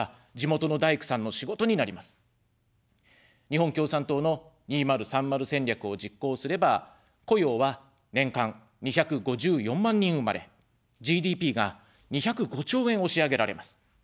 「日本共産党の２０３０戦略」を実行すれば、雇用は年間２５４万人生まれ、ＧＤＰが２０５兆円押し上げられます。